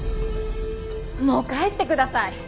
もう帰ってください！